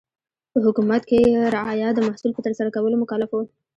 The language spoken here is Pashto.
په حکومت کې رعایا د محصول په ترسره کولو مکلف و.